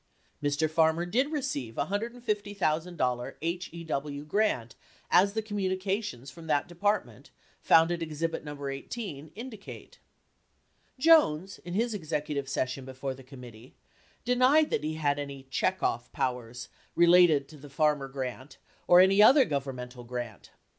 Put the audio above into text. Mr. Farmer did receive a $150,000 HEW grant as the communications from that Department, found at exhibit No. 18 67 indicate. Jones, in his executive session before the committee, denied that he had any "check off" powers relating to the F armer grant or any other governmental grant.